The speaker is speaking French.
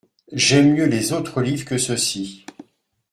J’aime mieux les autres livres que ceux-ci.